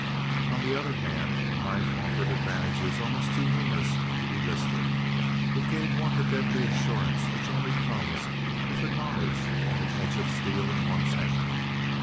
On the other hand, a knife offered advantages almost too numerous to be listed. It gave one the deadly assurance which only comes with the knowledge of an edge of steel in one's hand.